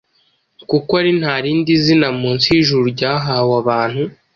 kuko ari nta rindi zina munsi y’ijuru ryahawe abantu,